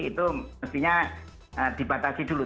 itu mestinya dibatasi dulu